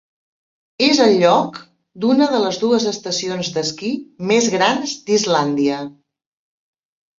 És el lloc d'una de les dues estacions d'esquí més grans d'Islàndia.